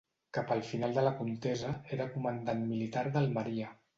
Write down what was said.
Cap al final de la contesa era comandant militar d'Almeria.